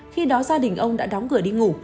khi đó gia đình ông đã đóng cửa đi ngủ